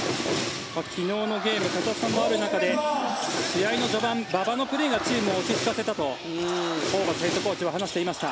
昨日のゲーム、試合の序盤馬場のプレーがチームを落ち着かせたとホーバスヘッドコーチは話していました。